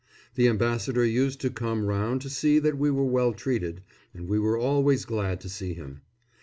The Ambassador used to come round to see that we were well treated, and we were always glad to see him.